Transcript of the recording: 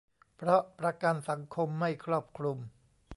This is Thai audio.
เพราะประกันสังคมไม่ครอบคลุม